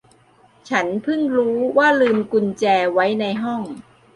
ฉันเพิ่งรู้ว่าลืมกุญแจไว้ในห้อง